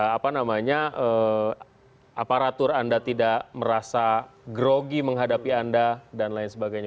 apa namanya aparatur anda tidak merasa grogi menghadapi anda dan lain sebagainya